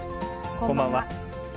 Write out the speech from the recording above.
こんばんは。